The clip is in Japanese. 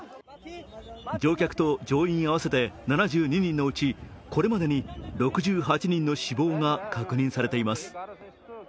乗客と乗員合わせて７２人のうちこれまでに６８人の死亡が確認されています。